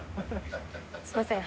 すいません。